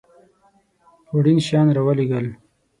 وړین شیان را ولېږل.